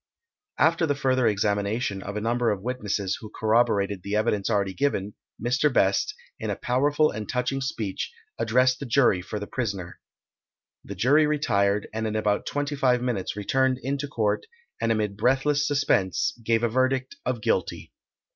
After the further examination of a number of witnesses, who corroborated the evidence already given, Mr. Best, in a powerful and touching speech, addressed the jury for the prisaner. The jury retired, and in about 25 minutes returned into court, and amid breathless suspense gave a verdict of Guilty.